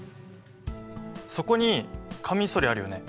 そこにカミソリあるよね？